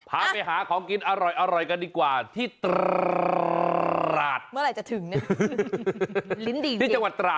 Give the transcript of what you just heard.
พาไปหาของกินอร่อยกันดีกว่า